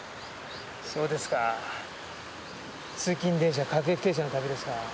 そうですか通勤電車各駅停車の旅ですか。